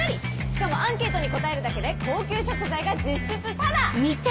しかもアンケートに答えるだけで高級食材が実質タダ！